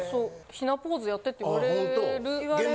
「雛ポーズやって」って言われる。